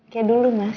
kayak dulu mas